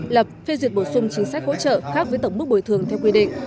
lập phê duyệt bổ sung chính sách hỗ trợ khác với tổng mức bồi thường theo quy định